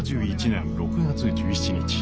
１９７１年６月１７日。